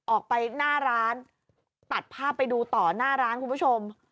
ออกไปหน้าร้านตัดภาพไปดูต่อหน้าร้านคุณผู้ชม